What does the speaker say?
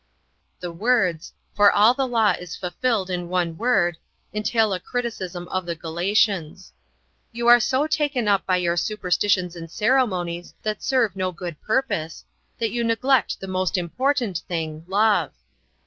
The words, "for all the law is fulfilled in one word," entail a criticism of the Galatians. "You are so taken up by your superstitions and ceremonies that serve no good purpose, that you neglect the most important thing, love."